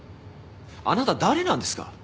あなた誰なんですか？